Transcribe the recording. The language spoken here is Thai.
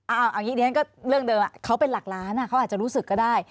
อันนี้ก็เรื่องเดิมเขาเป็นหลักล้านเขาอาจจะรู้สึกก็ได้